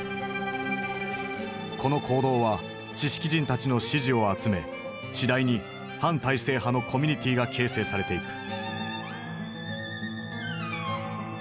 この行動は知識人たちの支持を集め次第に反体制派のコミュニティーが形成されていく。